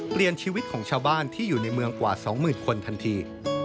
เปลี่ยนชีวิตของชาวบ้านที่อยู่ในเมืองกว่า๒๐๐๐คนทันที